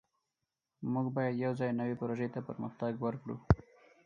موږ باید یوځای نوې پروژې ته پرمختګ وکړو.